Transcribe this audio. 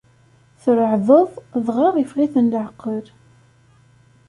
Treɛdeḍ, dɣa iffeɣ-iten leɛqel.